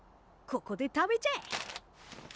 ここで食べちゃえ。